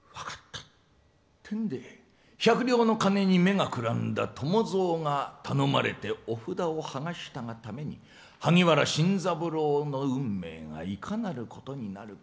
１００両の金に目がくらんだ伴蔵が頼まれてお札をはがしたがために萩原新三郎の運命がいかなることになるか